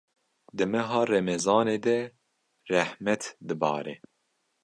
di meha Remezanê de rehmet dibare.